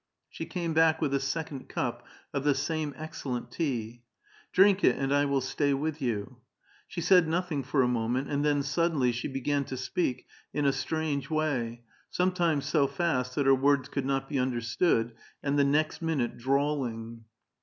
She came back with a second cup of the same excellent tea. " Drink it, and I will sta}' with yon." She said nothing for a moment, and then suddenly she began to speak in a strange way, sometimes so fust that her words could not be under stood, and the next minute drawling.